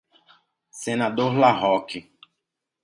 Senador La Rocque